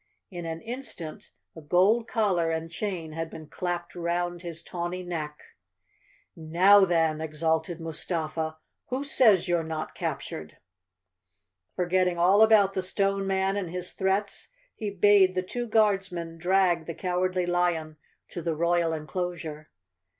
In an instant a gold collar and chain had been clapped 'round his tawny neck. "Now then," exulted Mustafa, "who says you're not captured." Forgetting all about the Stone Man and his threats, he bade the two Guardsmen drag the Cow¬ ardly Lion to the royal enclosure.